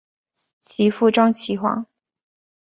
其父张其锽。